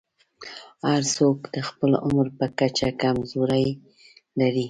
هر څوک د خپل عمر په کچه کمزورۍ لري.